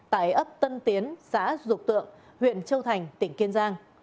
tại ấp tân tiến xã dục tượng huyện châu thành tỉnh kiên giang